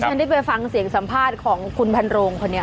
ฉันได้ไปฟังเสียงสัมภาษณ์ของคุณพันโรงคนนี้